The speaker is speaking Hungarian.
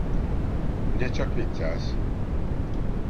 Ugye csak viccelsz?